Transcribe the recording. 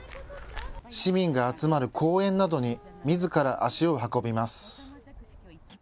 市民が集まる公園などにみずから足を運びます。